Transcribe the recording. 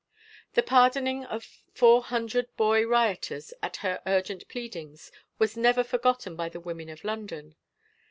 The pardoning of four hundred boy rioters at her urgent pleadings was never forgotten by the women of Lx)ndon.